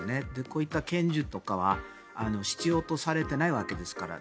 こういった拳銃とかは必要とされてないわけですから。